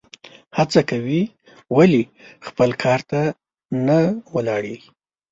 څه کوې ؟ ولي خپل کار ته نه ولاړېږې؟